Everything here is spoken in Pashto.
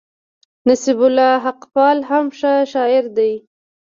نصيب الله حقپال هم ښه شاعر دئ.